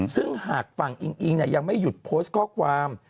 ซึ่งหากฝั่งอิงอิงยังไม่หยุดโพสต์ข้อความ